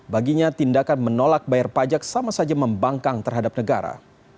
baginya tindakan menolak bayar pajak sama saja membangkang terhadap negara